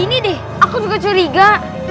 berapa berapa berapa